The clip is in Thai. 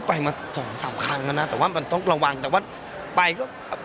ไปมาสองสามครั้งแล้วนะแต่ว่ามันต้องระวังแต่ว่าไปก็